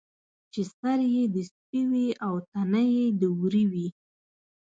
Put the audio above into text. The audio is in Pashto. چې سر یې د سپي وي او تنه یې د وري وي.